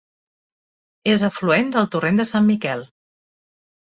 És afluent del torrent de Sant Miquel.